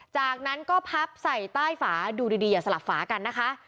จากนั้นก็พับใส่ใต้ฝาดูดีอย่าสลับฝากันนะคะ